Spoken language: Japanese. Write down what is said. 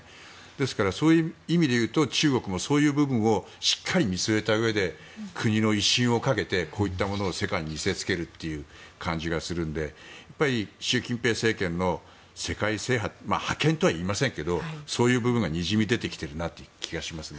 ですから、そういう意味で言うと中国もそういう部分をしっかり見据えたうえで国の威信をかけてこういったものを世界に見せつけるという感じがするのでやっぱり習近平政権の世界制覇覇権とは言いませんがそういう部分がにじみ出てきている気がします。